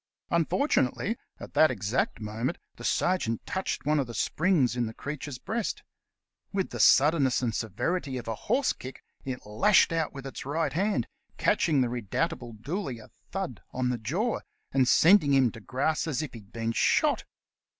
Unfortunately, at that exact moment the sergeant touched one of the springs in the creature's breast. With the suddenness and severity of a horse kick, it lashed out with its right hand, catching the redoubtable Dooley a thud on the jaw, and sending him to grass as if he had been shot.